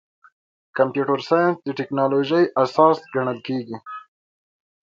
کمپیوټر ساینس د ټکنالوژۍ اساس ګڼل کېږي.